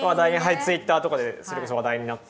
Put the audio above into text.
Ｔｗｉｔｔｅｒとかでそれこそ話題になって。